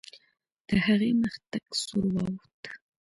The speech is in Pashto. د هغې مخ تک سور واوښت.